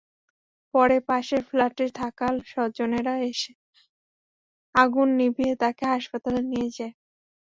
পরে পাশের ফ্ল্যাটে থাকা স্বজনেরা এসে আগুন নিভিয়ে তাঁকে হাসপাতালে নিয়ে যায়।